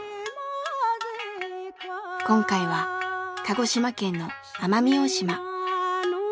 今回は鹿児島県の奄美大島。